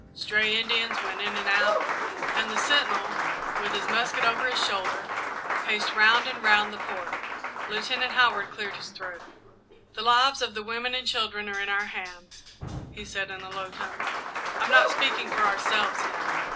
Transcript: Stray Indians went in and out, and the sentinel, with his musket over his shoulder, paced round and round the Fort. Lieutenant Howard cleared his throat. "The lives of the women and children are in our hands," he said, in a low tone. "I'm not speaking for ourselves, now.